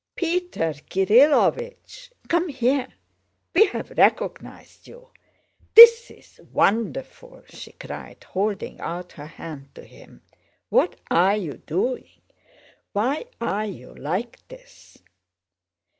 "Peter Kirílovich, come here! We have recognized you! This is wonderful!" she cried, holding out her hand to him. "What are you doing? Why are you like this?"